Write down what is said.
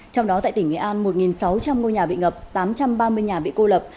trong đó tại tỉnh nghệ an một sáu trăm linh ngôi nhà bị ngập tám trăm ba mươi nhà bị cô lập